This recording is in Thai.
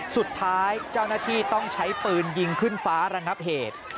สุดท้ายเจ้าหน้าที่ต้องใช้ปืนยิงขึ้นฟ้าระงับเหตุ